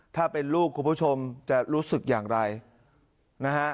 ถ้าเป็นลูกคุณผู้ชมจะรู้สึกอย่างไรนะฮะ